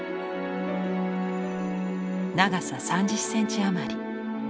長さ３０センチ余り。